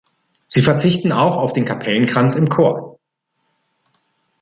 Sie verzichten auch auf den Kapellenkranz im Chor.